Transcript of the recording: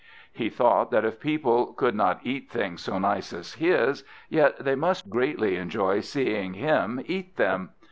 He thought that if people could not eat things so nice as his, yet they must greatly enjoy seeing him eat them.